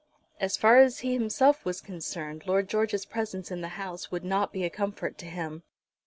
As far as he himself was concerned Lord George's presence in the house would not be a comfort to him.